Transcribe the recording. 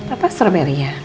apa strawberry ya